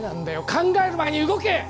考える前に動け！